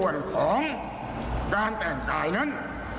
ส่วนของการแต่งกายนั้น